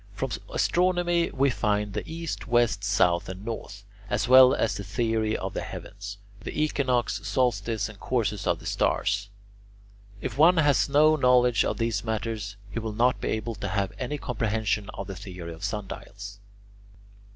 From astronomy we find the east, west, south, and north, as well as the theory of the heavens, the equinox, solstice, and courses of the stars. If one has no knowledge of these matters, he will not be able to have any comprehension of the theory of sundials.